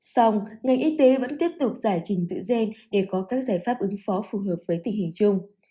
xong ngành y tế vẫn tiếp tục giải trình tự gen để có các giải pháp ứng phó phù hợp với tình hình chung